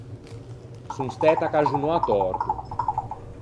Son stæto accaxonou à tòrto.